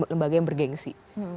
lembaga yang bergensi